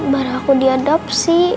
baru aku diadopsi